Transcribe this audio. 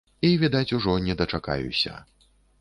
І відаць, ужо не дачакаюся.